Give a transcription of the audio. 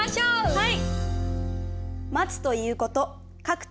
はい！